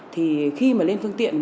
thì khi mà lên phương tiện